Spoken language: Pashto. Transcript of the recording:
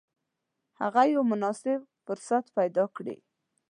هغه یو مناسب فرصت پیدا کړي.